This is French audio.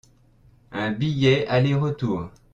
Un billet aller-retour.